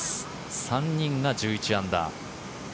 ３人が１１アンダー。